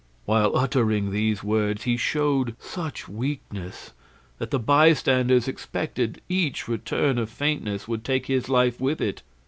While uttering these words he showed such weakness that the bystanders expected each return of faintness would take his life with it.